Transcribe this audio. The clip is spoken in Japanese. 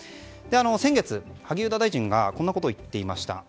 先月、萩生田大臣がこんなことを言っていました。